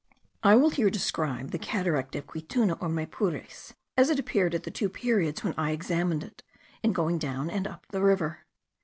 I will here describe the cataract of Quituna or Maypures as it appeared at the two periods when I examined it, in going down and up the river.